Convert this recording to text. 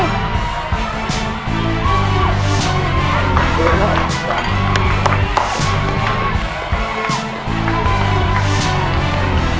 ขอบคุณครับขอบคุณครับ